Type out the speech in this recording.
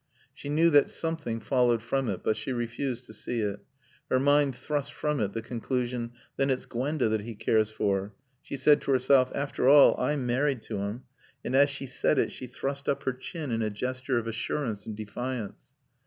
She knew that something followed from it, but she refused to see it. Her mind thrust from it the conclusion. "Then it's Gwenda that he cares for." She said to herself, "After all I'm married to him." And as she said it she thrust up her chin in a gesture of assurance and defiance.